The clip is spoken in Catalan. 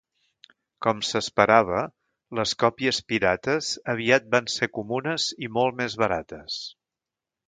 Com s'esperava, les còpies pirates aviat van ser comunes i molt més barates.